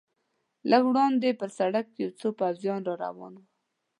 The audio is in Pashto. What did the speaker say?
لږ وړاندې پر سړک یو څو پوځیان را روان و.